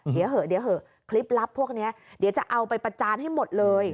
เดี๋ยวเหอะเดี๋ยวเหอะคลิปลับพวกนี้เดี๋ยวจะเอาไปประจานให้หมดเลย